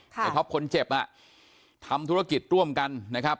ท็อปคนเจ็บทำธุรกิจร่วมกันนะครับ